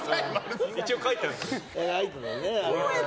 一応書いてあるんです。